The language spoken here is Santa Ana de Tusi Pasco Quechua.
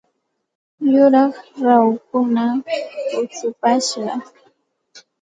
Yuraq rahukuna kuchupashqa.